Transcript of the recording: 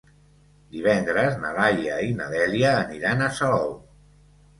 Divendres na Laia i na Dèlia aniran a Salou.